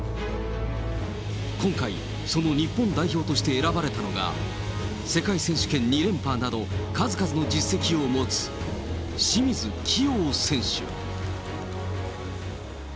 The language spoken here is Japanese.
今回、その日本代表として選ばれたのが、世界選手権２連覇など、数々の実績を持つ清水希容選手。